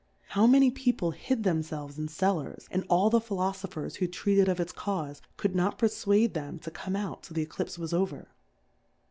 How many People hid themfelves in Cellars^ and all the Philofophers who treated of its Caufe, could not perfwade them to come out till the Eclipfe was over